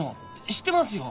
知ってますよ。